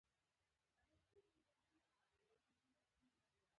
تمرین د هر هنر ریښه ده.